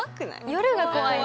夜が怖い。